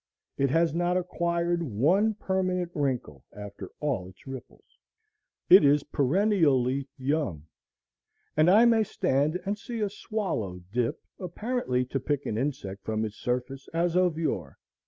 It has not acquired one permanent wrinkle after all its ripples. It is perennially young, and I may stand and see a swallow dip apparently to pick an insect from its surface as of yore.